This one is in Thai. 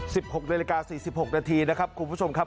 หกนาฬิกาสี่สิบหกนาทีนะครับคุณผู้ชมครับ